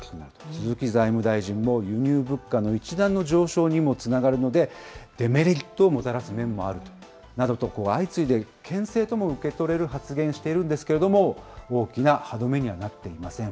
鈴木財務大臣も、輸入物価の一段の上昇にもつながるので、デメリットをもたらす面もあるなどと、相次いでけん制とも受け取れる発言をしているんですけれども、大きな歯止めにはなっていません。